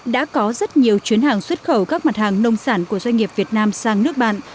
đã có rất nhiều chuyến hàng xuất khẩu các mặt hàng nông sản của doanh nghiệp việt nam sang nước bạn